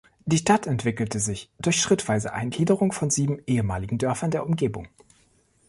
Die Stadt entwickelte sich durch schrittweise Eingliederung von sieben ehemaligen Dörfern der Umgebung.